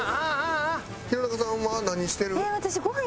弘中さんは何してる？